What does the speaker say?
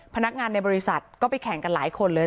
พนักงานในบริษัทก็ไปแข่งกันหลายคนเลย